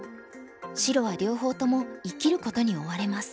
白は両方とも生きることに追われます。